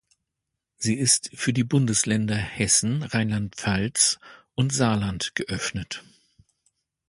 Sie ist für die Bundesländer Hessen, Rheinland-Pfalz und Saarland geöffnet.